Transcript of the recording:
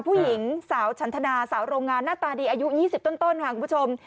ผู้หญิงสาวฉันทนาสาวโรงงานหน้าตาดีอายุ๒๐ต้นค่ะคุณผู้ชม